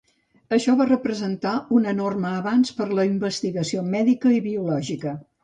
Això va representar un enorme avanç per a la investigació mèdica i biològica.